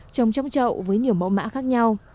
trồng trong trậu với nhiều mẫu mã khác nhau